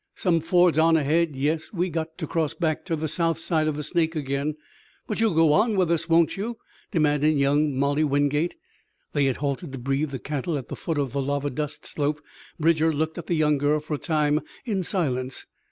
Some fords on ahead, yes; we got ter cross back ter the south side the Snake again." "But you'll go on with us, won't you?" demanded young Molly Wingate. They had halted to breathe the cattle at the foot of lava dust slope. Bridger looked at the young girl for a time in silence.